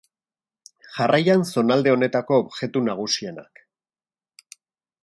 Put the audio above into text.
Jarraian, zonalde honetako objektu nagusienak.